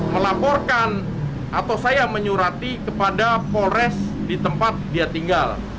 melaporkan atau saya menyurati kepada polres di tempat dia tinggal